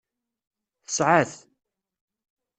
Tesɛa-t.